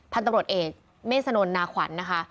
พันธุ์ตำรวจเอกเมษนนนาขวัญนะคะ